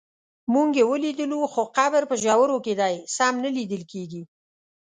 موږ یې ولیدلو خو قبر په ژورو کې دی سم نه لیدل کېږي.